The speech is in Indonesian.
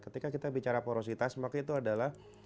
ketika kita bicara porositas maka itu adalah